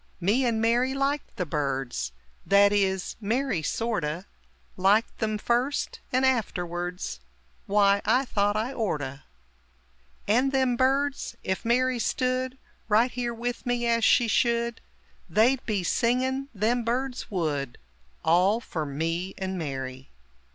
Me and Mary liked the birds That is, Mary sorto' Liked them first, and afterwerds W'y I thought I orto. And them birds ef Mary stood Right here with me as she should They'd be singin', them birds would All fer me and Mary!